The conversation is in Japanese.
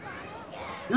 何？